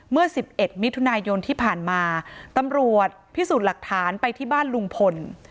เมื่อ๑๑มิถุนายนที่ผ่านมาตำรวจพิสูจน์หลักฐานไปที่บ้านลุงพล